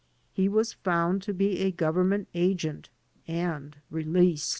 He was found to be a government agent and released.